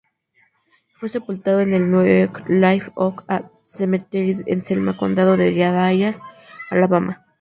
Fue sepultado en el New Live Oak Cemetery en Selma, condado de Dallas, Alabama.